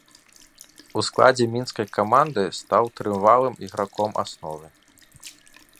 У складзе мінскай каманды стаў трывалым іграком асновы.